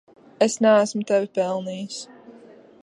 Es neesmu tevi pelnījis.